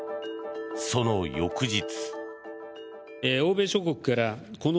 その翌日。